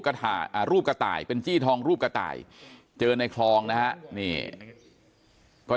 รูปกระต่ายเป็นจี้ทองรูปกระต่ายเจอในคลองนะฮะนี่ก็